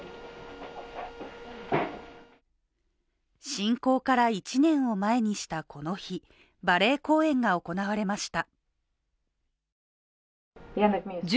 侵攻から１年を前にしたこの日、バレエ公演が行われました。